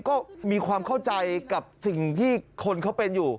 ก็มีความเข้าใจกับสิ่งที่คนเขาเป็นอยู่